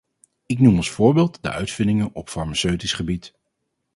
Ik noem als voorbeeld de uitvindingen op farmaceutisch gebied.